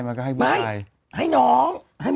ไม่ให้หนอง